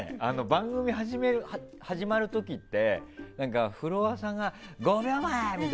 番組、始まる時ってフロアさんが５秒前！